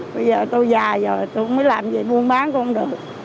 bây giờ tôi già rồi tôi không biết làm gì buôn bán con đường